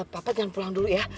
bapak jangan pulang dulu ya